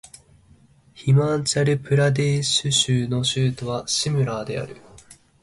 ヒマーチャル・プラデーシュ州の州都はシムラーである